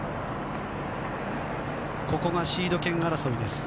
ここがシード権争いです。